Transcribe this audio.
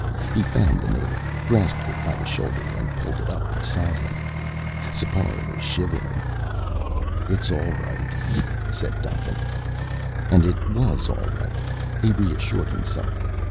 He found the native, grasped it by the shoulder and pulled it up beside him. Sipar was shivering. "It's all right," said Duncan. And it was all right, he reassured himself.